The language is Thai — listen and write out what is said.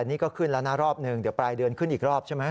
อีกรอบนึงเดี๋ยวปลายเดือนขึ้นอีกรอบใช่มั้ย